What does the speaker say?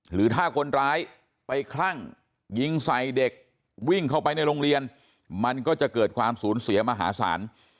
หรือถ้าคนร้ายไปคลั่งยิงใส่เด็กวิ่งเข้าไปในโรงเรียนมันก็จะเกิดความสูญเสียมหาศาล